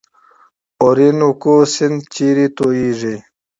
اورینوکو سیند چیرې تویږي؟